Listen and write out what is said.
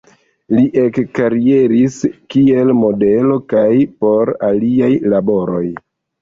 Li ekkarieris kiel modelo kaj por aliaj laboroj.